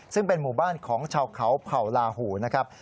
ซึ่งเป็นหมู่บ้านของชาวเขาเผ่าลาหูนะครับ